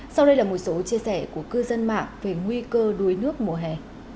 sau đây là một số chia sẻ của cư dân mạng về nguy cơ đuối nước mùa hè